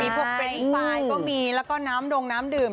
มีปลูกเป็นฝ่ายก็มีแล้วก็น้ำดงน้ำดื่ม